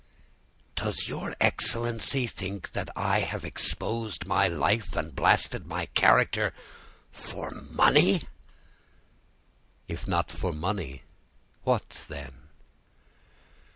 "Does your excellency think that I have exposed my life, and blasted my character, for money?" "If not for money, what then?"